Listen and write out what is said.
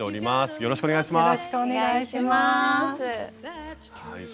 よろしくお願いします。